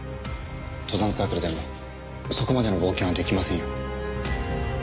登山サークルでもそこまでの冒険はできませんよ。